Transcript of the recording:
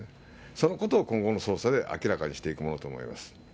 そのことも今後の捜査で明らかにしていくものと思います。